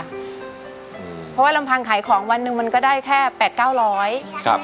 เพราะว่าลำพังขายของวันหนึ่งมันก็ได้แค่๘๙๐๐บาท